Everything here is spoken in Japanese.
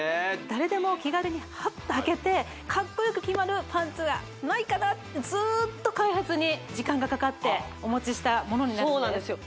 誰でも気軽にハッとはけてカッコよく決まるパンツがないかなってずーっと開発に時間がかかってお持ちしたものになるんですよ